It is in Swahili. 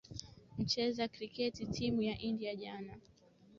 mcheza kriketi timu ya india jana